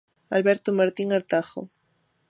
Alberto Martín Artajo.